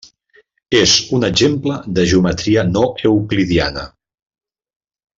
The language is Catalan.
És un exemple de geometria no euclidiana.